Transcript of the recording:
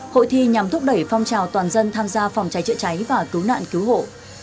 hội thi nhằm thúc đẩy phong trào toàn dân tham gia phòng cháy chữa cháy và cứu nạn cứu hộ